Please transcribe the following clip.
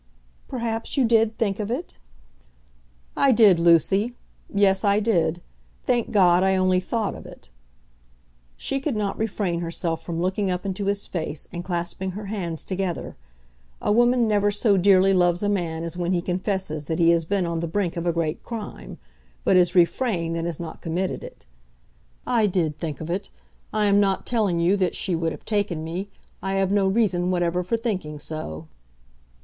"Perhaps you did think of it." "I did, Lucy. Yes, I did. Thank God, I only thought of it." She could not refrain herself from looking up into his face and clasping her hands together. A woman never so dearly loves a man as when he confesses that he has been on the brink of a great crime, but has refrained, and has not committed it. "I did think of it. I am not telling you that she would have taken me. I have no reason whatever for thinking so."